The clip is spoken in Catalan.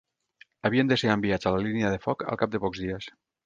Havien de ser enviats a la línia de foc al cap de pocs dies